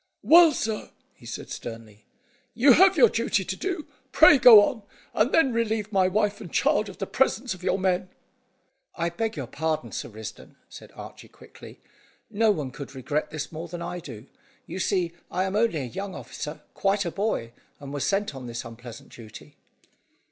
"Well, sir," he said sternly, "you have your duty to do; pray go on, and then relieve my wife and child of the presence of your men." "I beg your pardon, Sir Risdon," said Archy quickly. "No one could regret this more than I do. You see I am only a young officer, quite a boy, and was sent on this unpleasant duty."